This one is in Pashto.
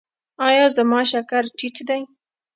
ایا زما شکر ټیټ دی؟